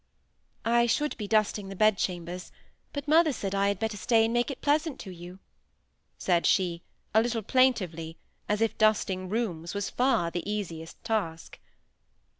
"I should be dusting the bed chambers; but mother said I had better stay and make it pleasant to you," said she, a little plaintively, as if dusting rooms was far the easiest task.